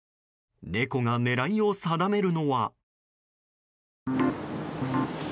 猫が狙いを定めるのは。